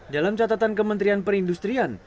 dalam catatan kementerian perindustrian